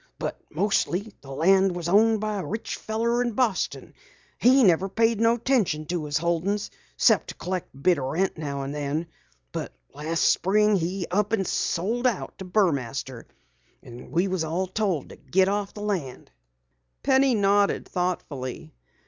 "But mostly the land was owned by a rich feller in Boston. He never paid no attention to his holdings 'cept to collect a bit o' rent now and then. But last spring he up and sold out to Burmaster, and we was all told to git off the land." Penny nodded thoughtfully.